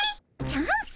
チャンス？